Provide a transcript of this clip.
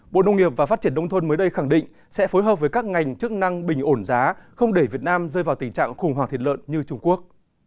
bộ nông nghiệp và phát triển nông thôn mới đây khẳng định sẽ phối hợp với các ngành chức năng bình ổn giá không để việt nam rơi vào tình trạng khủng hoảng thịt lợn như trung quốc